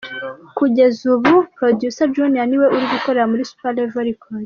Kugeza ubu, Producer Junior ni we uri gukorera muri Super Level Records.